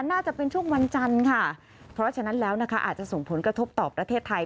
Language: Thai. น่าจะเป็นช่วงวันจันทร์ค่ะเพราะฉะนั้นแล้วนะคะอาจจะส่งผลกระทบต่อประเทศไทย